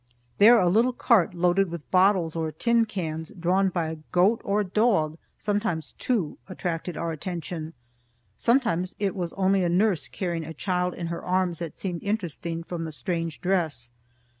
There a little cart loaded with bottles or tin cans, drawn by a goat or a dog, sometimes two, attracted our attention. Sometimes it was only a nurse carrying a child in her arms that seemed interesting, from the strange dress.